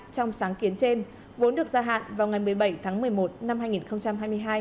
trong sáng kiến trên vốn được gia hạn vào ngày một mươi bảy tháng một mươi một năm hai nghìn hai mươi hai